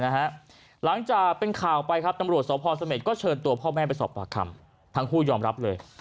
หลังจากเป็นข่าวไปครับตำรวจสพเสม็ดก็เชิญตัวพ่อแม่ไปสอบปากคำทั้งคู่ยอมรับเลย